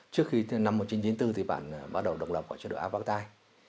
trước khi năm một nghìn chín trăm chín mươi bốn thì bạn bắt đầu đồng lập vào chế độ áp bạc thai